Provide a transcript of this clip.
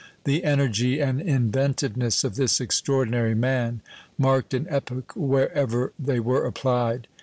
The energy and inventiveness of this extraordinary man marked an epoch wherever they were applied.